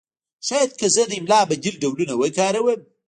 شاید که زه د املا بدیل ډولونه وکاروم